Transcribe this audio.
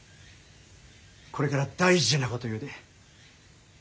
これから大事なこと言うで。